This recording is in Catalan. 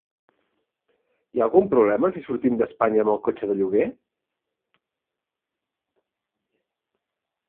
Hi ha algun problema si sortim d'Espanya amb el cotxe de lloguer?